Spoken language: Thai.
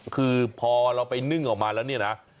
คือพอเราไปนึ่งออกมาแล้วเนี่ยนะ